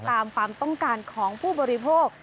ตามความต้องการของผู้บริโภค